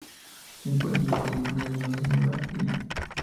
Se encuentra en las Filipinas, Indonesia y Nueva Guinea.